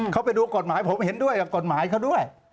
เขาไปดูกฎหมายผมเห็นด้วยกับกฎหมายเขาด้วย